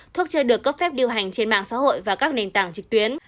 thuốc chưa được cấp phép điều hành trên mạng xã hội và các nền tảng trực tuyến